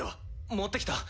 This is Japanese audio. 持ってきた。